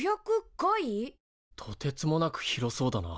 とてつもなく広そうだな。